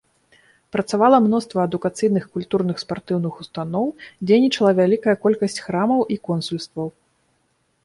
Працавала мноства адукацыйных, культурных, спартыўных устаноў, дзейнічала вялікая колькасць храмаў і консульстваў.